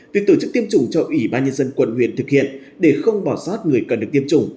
việc tổ chức tiêm chủng cho ủy ban nhân dân quận huyện thực hiện để không bỏ sót người cần được tiêm chủng